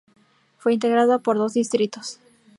Fue integrada por dos distritos.